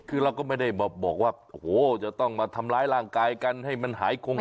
คือเราก็ไม่ได้มาบอกว่าโอ้โหจะต้องมาทำร้ายร่างกายกันให้มันหายคง